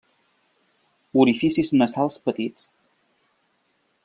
Orificis nasals petits.